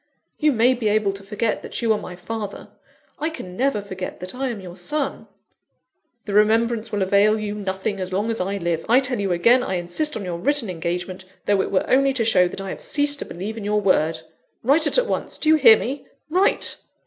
You may be able to forget that you are my father; I can never forget that I am your son." "The remembrance will avail you nothing as long as I live. I tell you again, I insist on your written engagement, though it were only to show that I have ceased to believe in your word. Write at once do you hear me? Write!"